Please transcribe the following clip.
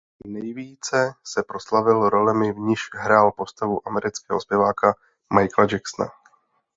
Nejvíce se proslavil rolemi v nichž hrál postavu amerického zpěváka Michaela Jacksona.